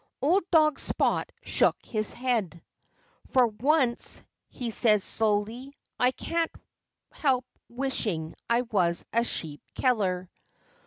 Old dog Spot shook his head. "For once," he said slowly, "I can't help wishing I was a sheep killer."